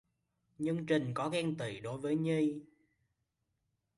Nhưng trình có ghen tị đối với Nhi